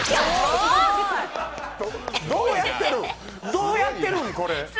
どうやってるん、これ！！